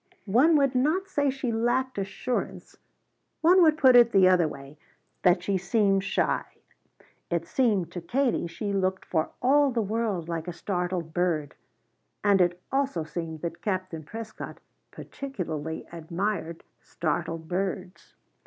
One would not say she lacked assurance; one would put it the other way that she seemed shy. It seemed to Katie she looked for all the world like a startled bird, and it also seemed that Captain Prescott particularly admired startled birds.